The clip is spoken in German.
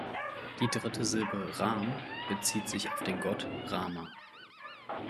Die dritte Silbe ram bezieht sich auf den Gott Rama.